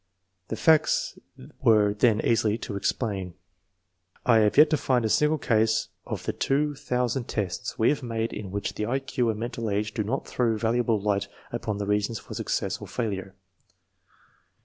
The facts were then easy to explain. I have yet to find a single case of the two thousand tests we have made in which the I Q and mental age do not throw valuable light upon the reasons for success or failure.